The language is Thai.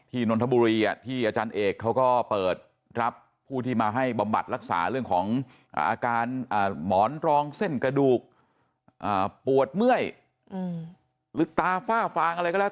นนทบุรีที่อาจารย์เอกเขาก็เปิดรับผู้ที่มาให้บำบัดรักษาเรื่องของอาการหมอนรองเส้นกระดูกปวดเมื่อยหรือตาฝ้าฟางอะไรก็แล้ว